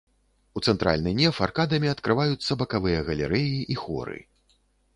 У цэнтральны неф аркадамі адкрываюцца бакавыя галерэі і хоры.